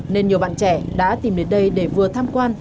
nên nhiều bạn trẻ đã tìm đến đây để vừa tham quan